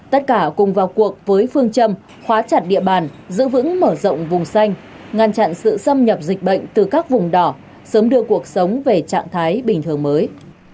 tất cả cùng vào cuộc với phương châm khóa chặt địa bàn giữ vững mở rộng vùng xanh ngăn chặn sự xâm nhập dịch bệnh từ các vùng đỏ sớm đưa cuộc sống về trạng thái bình thường mới